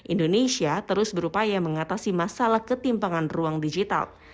indonesia terus berupaya mengatasi masalah ketimpangan ruang digital